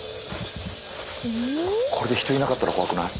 これで人いなかったら怖くない？